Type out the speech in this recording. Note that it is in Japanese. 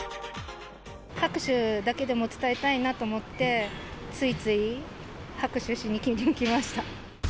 拍手だけでも伝えたいなと思って、ついつい拍手しに来ました。